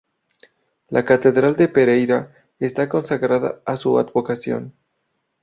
La catedral de Pereira está consagrada a su advocación.